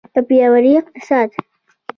یو پیاوړی اقتصاد.